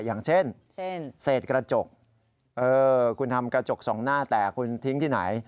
อย่างเช่นเศษกระจกคุณทำกระจกสองหน้าแต่คุณทิ้งที่ไหน